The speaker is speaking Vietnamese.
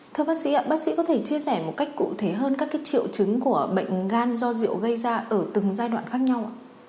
thưa bác sĩ ạ bác sĩ có thể chia sẻ một cách cụ thể hơn các triệu chứng của bệnh gan do rượu gây ra ở từng giai đoạn khác nhau